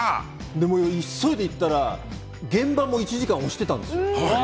もう急いで行ったら現場も１時間押してたんですよ。